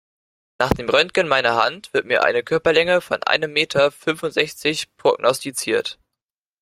Nach dem Röntgen meiner Hand wird mir eine Körperlänge von einem Meter fünfundsechzig prognostiziert.